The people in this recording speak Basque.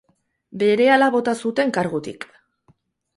Berehala bota zuten kargutik.